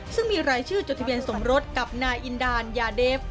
ซึ่งมีรายชื่อจดทะเบียนสมรสกับนายอินดานยาเดฟ